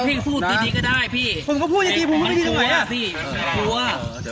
พี่พี่พูดดีก็ได้